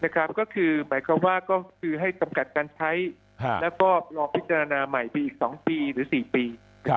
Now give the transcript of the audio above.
ก็คือหมายความว่าก็คือให้จำกัดการใช้แล้วก็รอพิจารณาใหม่ไปอีก๒ปีหรือ๔ปี